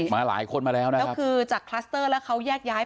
มาหลายคนมาแล้วนะแล้วคือจากคลัสเตอร์แล้วเขาแยกย้าย